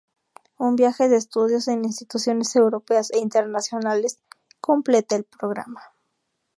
Un viaje de estudios en instituciones europeas e internacionales, completa el programa.